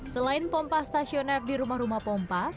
selain pompa stasioner di rumah rumah pompa